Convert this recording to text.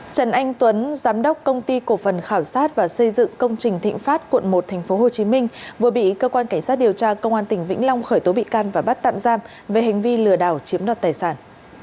trần anh tuấn giám đốc công ty cổ phần khảo sát và xây dựng công trình thịnh pháp quận một tp hcm vừa bị cơ quan cảnh sát điều tra công an tỉnh vĩnh long khởi tố bị can và bắt tạm giam về hành vi lừa đảo chiếm đoạt tài sản